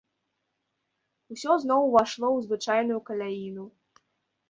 Усё зноў увайшло ў звычайную каляіну.